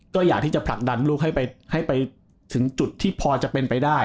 ก็อยากที่จะผลักดันลูกให้ไปถึงจุดที่พอจะเป็นไปได้